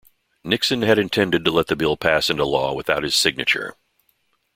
Nixon had intended to let the bill pass into law without his signature.